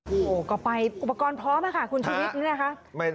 โอ้โหก่อนไปอุปกรณ์พร้อมหรือเปล่าค่ะคุณชุวิต